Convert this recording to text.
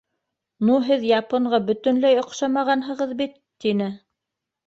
— Ну, һеҙ японға бөтөнләй оҡшамағанһығыҙ бит! — тине.